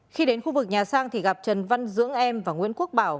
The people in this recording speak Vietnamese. khi đến khu vực nhà sang thì gặp trần văn dưỡng em và nguyễn quốc bảo